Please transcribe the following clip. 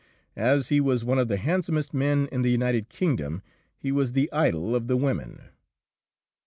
As he was one of the handsomest men in the United Kingdom, he was the idol of the women.